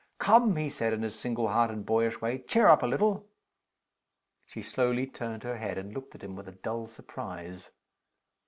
"Come!" he said, in his single hearted, boyish way. "Cheer up a little!" She slowly turned her head, and looked at him with a dull surprise.